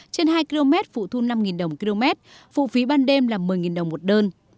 trên hai km phụ thu năm đồng km phụ phí ban đêm là một mươi đồng một đơn